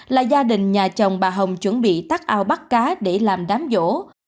là gia đình nhà chồng bà hồng chuẩn bị tắt ao bắt cá để làm đám vỗ